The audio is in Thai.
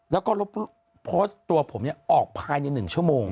แล้วก็ลบโพสต์ตัวผมออกภายใน๑ชั่วโมง